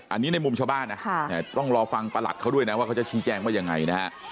อันนี้ในมุมชาวบ้านนะต้องรอฟังประหลัดเขาด้วยนะว่าเขาจะชี้แจงว่ายังไงนะฮะ